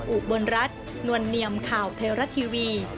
อุบลรัฐนวลเนียมข่าวไทยรัฐทีวี